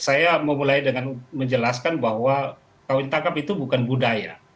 saya memulai dengan menjelaskan bahwa kawin tangkap itu bukan budaya